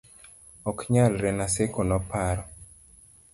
ok nyalre, Naseko noparo